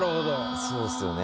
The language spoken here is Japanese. そうっすよね。